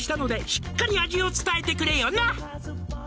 「しっかり味を伝えてくれよな」